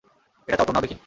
এটা চাও, তো নাও দেখি?